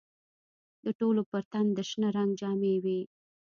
د ټولو پر تن د شنه رنګ جامې وې.